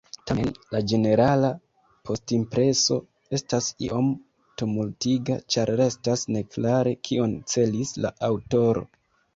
Tamen la ĝenerala postimpreso estas iom tumultiga, ĉar restas neklare, kion celis la aŭtoro.